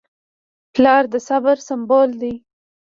پلار د صبر سمبول دی.